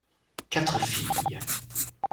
Quatre filles.